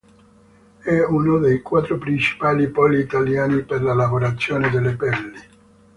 È uno dei quattro principali poli italiani per la lavorazione delle pelli.